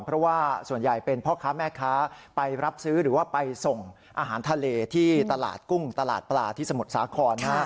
เพราะว่าส่วนใหญ่เป็นพ่อค้าแม่ค้าไปรับซื้อหรือว่าไปส่งอาหารทะเลที่ตลาดกุ้งตลาดปลาที่สมุทรสาคร